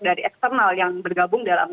dari eksternal yang bergabung dalam